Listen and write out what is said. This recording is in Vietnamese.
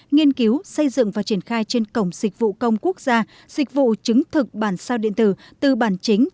nghiên cứu xây dựng và triển khai trên cổng dịch vụ công quốc gia dịch vụ chứng thực bản sao điện tử từ bản chính